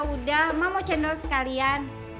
udah mama mau cendol sekalian